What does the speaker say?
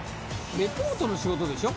リポートの仕事でしょ？